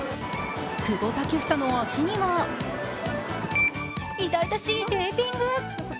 久保建英の足には、痛々しいテーピング。